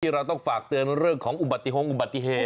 เราต้องฝากเตือนเรื่องของอุบัติฮงอุบัติเหตุ